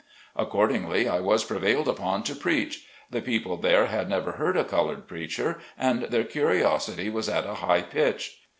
Accordingly, I was prevailed upon to preach. The people there had never heard a colored preacher, and their curiosity was at a high pitch.